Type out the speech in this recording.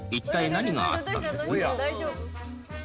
何？